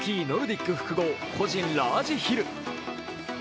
ノルディック複合個人ラージヒル。